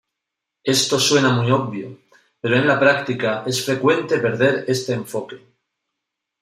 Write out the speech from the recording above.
Esto suena muy obvio, pero en la práctica es frecuente perder este enfoque.